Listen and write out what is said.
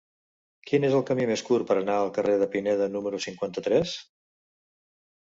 Quin és el camí més curt per anar al carrer de Pineda número cinquanta-tres?